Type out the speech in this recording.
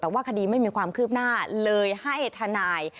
แต่ว่าคดีไม่มีความคืบหน้าเลยให้ทนาย